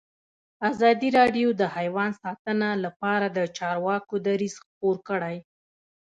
ازادي راډیو د حیوان ساتنه لپاره د چارواکو دریځ خپور کړی.